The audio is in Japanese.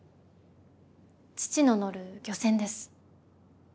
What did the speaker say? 父の乗る漁船です。